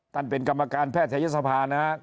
เป็นกรรมการแพทยศภานะครับ